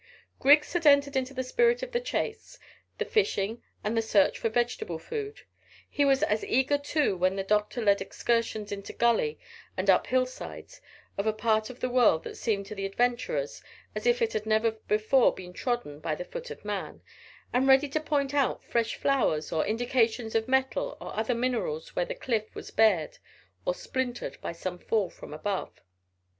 Griggs had entered into the spirit of the chase, the fishing and the search for vegetable food. He was as eager too when the doctor led excursions into gully and up hill sides of a part of the world that seemed to the adventurers as if it had never before been trodden by the foot of man, and ready to point out fresh flowers, or indications of metal or other minerals where the cliff was bared or splintered by some fall from above.